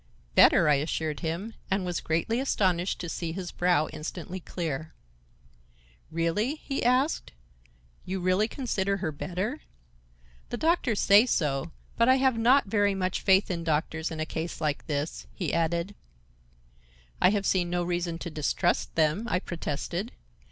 "Better," I assured him, and was greatly astonished to see his brow instantly clear. "Really?" he asked. "You really consider her better? The doctors say so' but I have not very much faith in doctors in a case like this," he added. "I have seen no reason to distrust them," I protested.